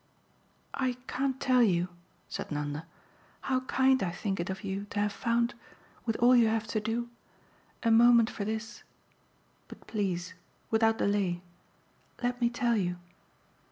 "I can't tell you," said Nanda, "how kind I think it of you to have found, with all you have to do, a moment for THIS. But please, without delay, let me tell you